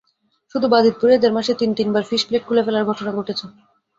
শুধু বাজিতপুরেই দেড় মাসে তিন তিনবার ফিশপ্লেট খুলে ফেলার ঘটনা ঘটেছে।